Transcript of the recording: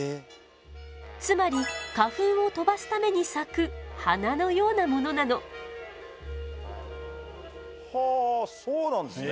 つまり花粉を飛ばすために咲く花のようなモノなの。はあそうなんですね。